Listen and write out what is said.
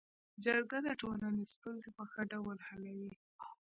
جرګه د ټولني ستونزي په ښه ډول حلوي.